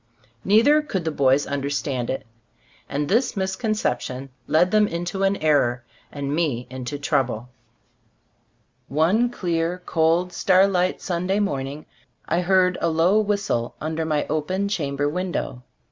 Neither could the boys understand it, and this miscon Cbe Ston? of dft£ Cbf l&boofc 59 ception led them into an error and me into trouble. One clear, cold, starlight Sunday morning, I heard a low whistle under my open chamber window.